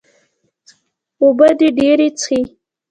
اوبۀ دې ډېرې څښي